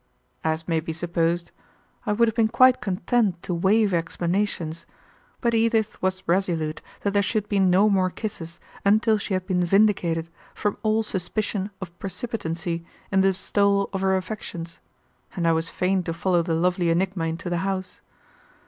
As may be supposed, I would have been quite content to waive explanations, but Edith was resolute that there should be no more kisses until she had been vindicated from all suspicion of precipitancy in the bestowal of her affections, and I was fain to follow the lovely enigma into the house.